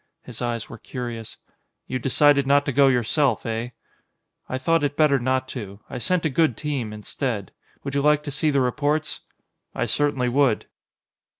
His eyes were curious. "You decided not to go yourself, eh?" "I thought it better not to. I sent a good team, instead. Would you like to see the reports?" "I certainly would."